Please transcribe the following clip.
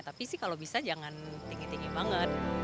tapi sih kalau bisa jangan tinggi tinggi banget